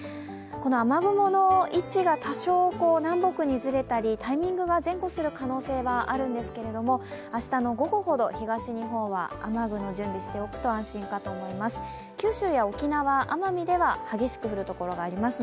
この雨雲の位置が多少南北にずれたり、タイミングが前後する可能性はあるんですけど明日の午後ほど東日本は雨具を準備しておくと安心かと思います。